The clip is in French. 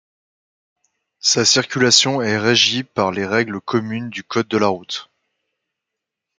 Sa circulation est régie par les règles communes du code de la route.